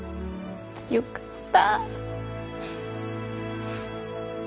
よかった。